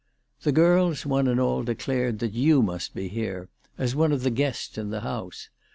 " The girls one and all declared that you must be here, as one of the guests in the house.